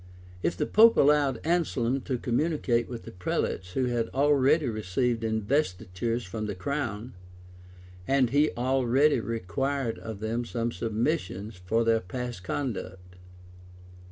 If the pope allowed Anselm to communicate with the prelates who had already received investitures from the crown; and he only required of them some submissions for their past misconduct.